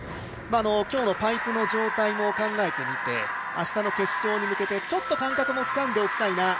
今日のパイプの状態も考えてみてあしたの決勝に向けてちょっと感覚もつかんでおきたいな。